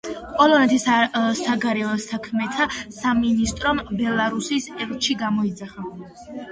პოლონეთის საგარეო საქმეთა სამინისტრომ ბელარუსის ელჩი გამოიძახა.